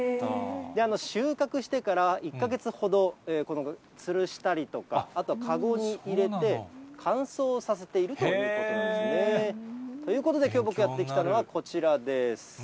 収穫してから１か月ほど、つるしたりとか、あとは籠に入れて乾燥させているということなんですね。ということできょう僕がやって来たのはこちらです。